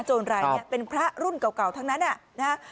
โจรรายเนี่ยครับเป็นพระรุ่นเก่าเก่าทั้งนั้นอ่ะนะฮะ